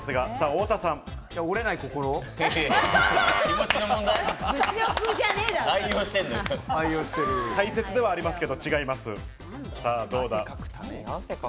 大切ではありますけど違います。